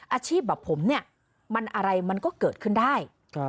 อาชีพแบบผมเนี่ยมันอะไรมันก็เกิดขึ้นได้